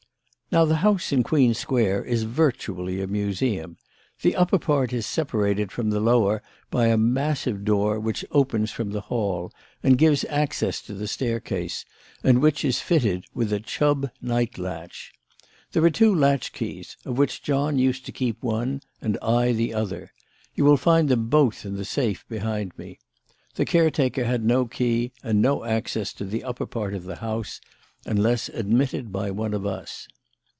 "Now the house in Queen Square is virtually a museum. The upper part is separated from the lower by a massive door which opens from the hall and gives access to the staircase, and which is fitted with a Chubb night latch. There are two latchkeys, of which John used to keep one and I the other. You will find them both in the safe behind me. The caretaker had no key and no access to the upper part of the house unless admitted by one of us.